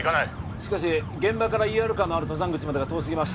しかし現場からＥＲカーのある登山口までが遠すぎます